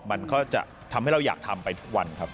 มันก็จะทำให้เราอยากทำไปทุกวันครับ